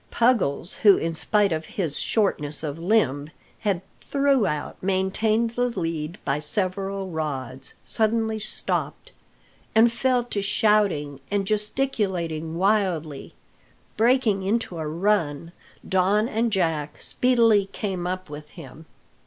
Puggles, who in spite of his shortness of limb had throughout maintained the lead by several rods, suddenly stopped, and fell to shouting and gesticulating wildly. Breaking into a run, Don and Jack speedily came up with him.